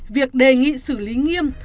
việc đề nghị xử lý nghiêm